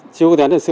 chưa có đến sự bảo vệ